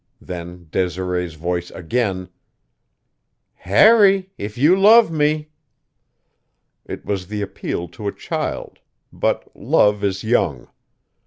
Then Desiree's voice again: "Harry! If you love me!" It was the appeal to a child; but love is young.